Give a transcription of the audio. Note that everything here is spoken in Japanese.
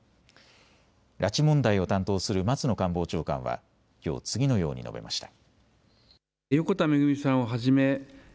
拉致問題を担当する松野官房長官はきょう次のように述べました。